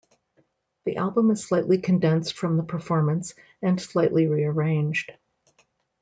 The album is slightly condensed from the performance and slightly re-arranged.